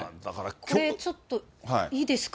これちょっといいですか？